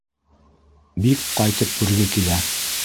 Бик ҡайтып күрге килә.